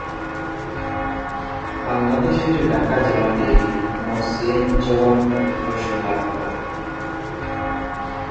মূলতঃ বাংলাদেশের ঢাকা জেলাতেই মসলিন চরম উৎকর্ষ লাভ করে।